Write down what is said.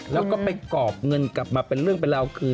แล้วก็ไปกรอบเงินกลับมาเป็นเรื่องเป็นราวคือ